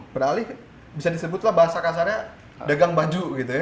beralih bisa disebutlah bahasa kasarnya dagang baju gitu ya